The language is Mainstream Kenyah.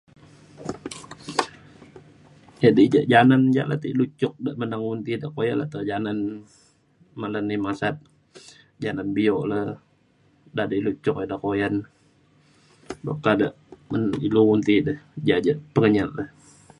jadi ja janan je ilu cuk de menang undi malap le nai masat janan bio le da da ilu cuk ida kuyan meka de ilu ti de ja ja pemenyat le